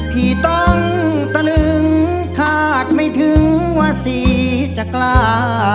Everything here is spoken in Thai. พี่ต้องตะลึงคาดไม่ถึงว่าสีจะกล้า